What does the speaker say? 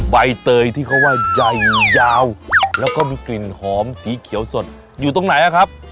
ใบเตยที่เขาว่าใหญ่ยาวแล้วก็มีกลิ่นหอมสีเขียวสดอยู่ตรงไหนอะครับ